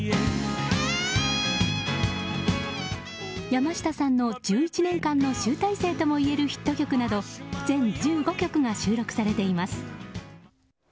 山下さんの１１年間の集大成ともいえるヒット曲など全１５曲が収録されています。